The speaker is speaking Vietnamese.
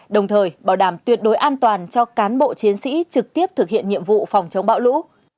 đồng thời bảo đảm tuyệt đối an toàn cho cán bộ chiến sĩ trực tiếp thực hiện nhiệm vụ phòng chống bão lũ